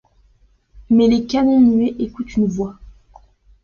Mais les canons muets écoutent une voix